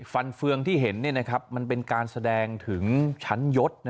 ฟันเฟืองที่เห็นเนี้ยนะครับมันเป็นการแสดงถึงชั้นย็ดนะ